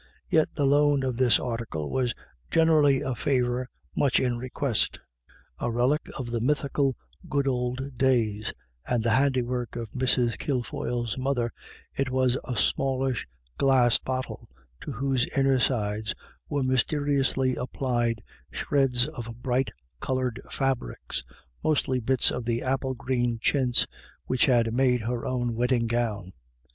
Yet the loan of this article was generally a favour much in request A relic of the mythical good old days, and the handiwork of Mrs. Kilfoyle's mother, it was a smallish glass bottle, to whose inner sides were mysteriously applied shreds of bright coloured fabrics, mostly bits of the apple green chintz which had made her own wedding gown.